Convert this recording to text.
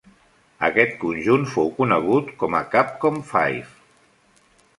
Aquest conjunt fou conegut com a Capcom Five.